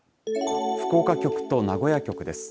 福岡局と名古屋局です。